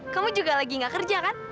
kamu juga lagi gak kerja kan